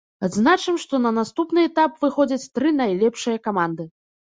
Адзначым, што на наступны этап выходзяць тры найлепшыя каманды.